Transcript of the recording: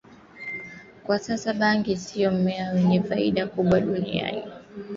Kwa sasa bangi ndio mmea wenye faida kubwa duniani na wakenya wanastahili kujua